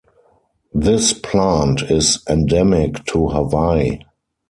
This plant is endemic to Hawaii.